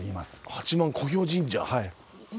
八幡古表神社。